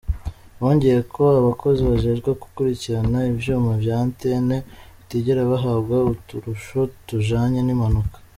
Bongeye ko, abakozi bajejwe gukurikirana ivyuma vya 'antene', batigera bahabwa uturusho tujanye n'impanuka.